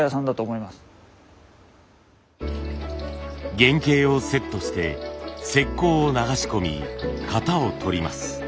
原型をセットして石こうを流し込み型を取ります。